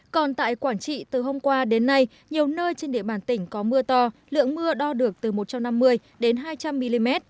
còn tại quảng trị từ hôm qua đến nay nhiều nơi trên địa bàn tỉnh có mưa to lượng mưa đo được từ một trăm năm mươi đến hai trăm linh mm